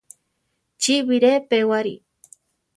Chi bire pewari.